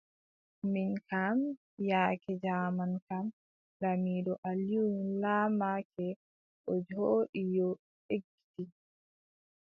Min kam, yaake jaaman kam, laamiiɗo Alium laamake, o jooɗi yo, eggiti.